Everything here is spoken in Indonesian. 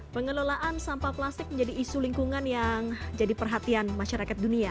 pengelolaan sampah plastik menjadi isu lingkungan yang jadi perhatian masyarakat dunia